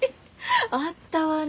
あったわね